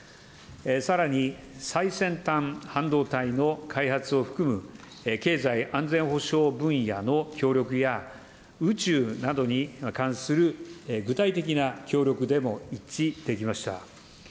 さらに、最先端半導体の開発を含む経済安全保障分野の協力や、宇宙などに関する具体的な協力でも一致できました。